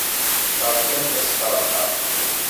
Berkamt asṭerṭer!